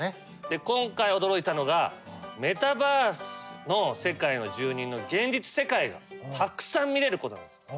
今回驚いたのがメタバースの世界の住人の現実世界がたくさん見れることなんです。